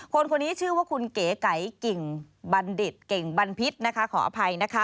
คนนี้ชื่อว่าคุณเก๋ไก๋เก่งบันพิษขออภัยนะคะ